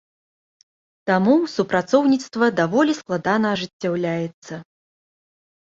Таму супрацоўніцтва даволі складана ажыццяўляецца.